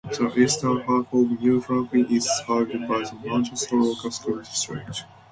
The eastern half of New Franklin is served by the Manchester Local School District.